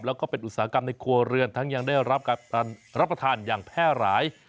แล้วก็เป็นอุตสาหกรรมในครัวเรือนทั้งยังได้รับการรับประทานอย่างแพร่หลาย